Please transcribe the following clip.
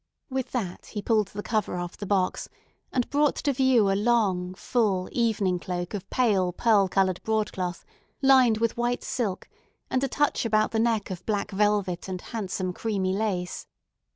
With that he pulled the cover off the box, and brought to view a long, full evening cloak of pale pearl colored broadcloth lined with white silk, and a touch about the neck of black velvet and handsome creamy lace.